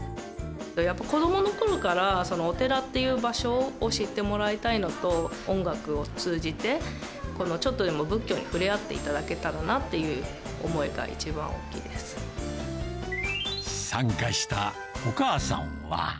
やっぱり子どものころから、お寺という場所を知ってもらいたいのと、音楽を通じて、ちょっとでも仏教に触れ合っていただけたらなっていう思いが一番参加したお母さんは。